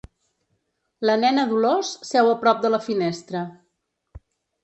La nena Dolors seu a prop de la finestra.